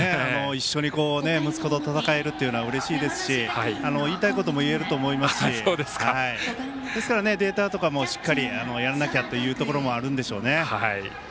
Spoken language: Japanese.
一緒に息子と戦えるというのはうれしいですし言いたいことも言えると思いますしですからデータとかもしっかりやらなきゃというところもあるんでしょうね。